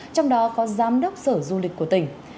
trong đó có giám đốc sở du lịch của tỉnh